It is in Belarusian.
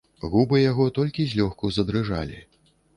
Губы яго толькі злёгку задрыжалі.